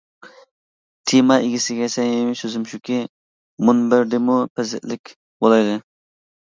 تېما ئىگىسىگە سەمىمىي سۆزۈم شۇكى، مۇنبەردىمۇ پەزىلەتلىك بولايلى!